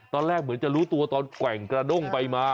ตอนแรกเหมือนจะรู้ตัวตอนแกว่งกระด้งไปมา